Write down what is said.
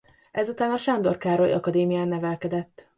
Ezután a Sándor Károly Akadémián nevelkedett.